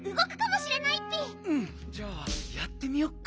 うんじゃあやってみよっか。